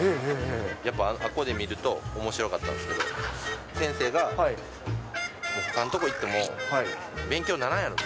やっぱあそこで見ると、おもしろかったんですけど、先生が、ほかの所行っても、勉強にならんやろって。